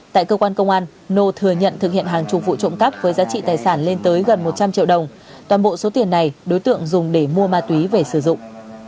tại cơ quan công an nô thừa nhận thực hiện hàng chục vụ trộm cắp với giá trị tài sản lên tới gần một trăm linh triệu đồng toàn bộ số tiền này đối tượng dùng để mua ma túy về sử dụng